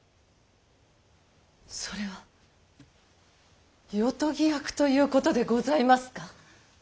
それは夜伽役ということでございますか？